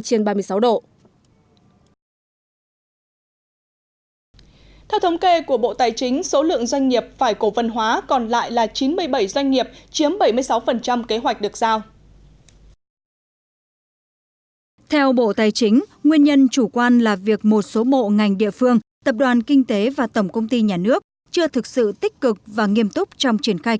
theo bộ tài chính nguyên nhân chủ quan là việc một số bộ ngành địa phương tập đoàn kinh tế và tổng công ty nhà nước chưa thực sự tích cực và nghiêm túc trong triển khai kinh tế